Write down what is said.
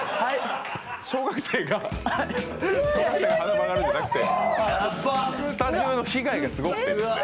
小学生が鼻曲がるじゃなくてスタジオの被害がすごくて。